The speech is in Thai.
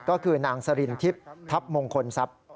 ก็คือนางสรินทิพย์ทัพมงคลทรัพย์